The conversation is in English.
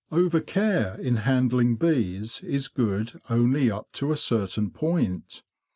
Over care in handling bees is good only up to a certain point.